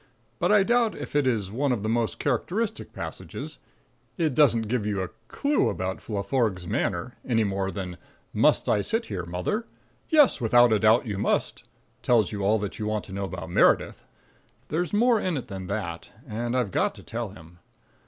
But I doubt if it is one of the most characteristic passages. It doesn't give you a clue to Laforgue's manner, any more than "'Must I sit here, mother?' 'Yes, without a doubt you must,'" tells you all that you want to know about Meredith. There's more in it than that. And I've got to tell him.